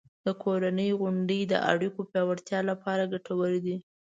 د کورنۍ غونډې د اړیکو پیاوړتیا لپاره ګټورې دي.